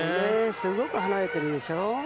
すごく離れてるでしょ。